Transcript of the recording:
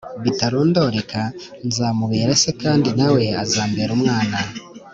bitarondoreka Nzamubera se kandi na we azambera umwana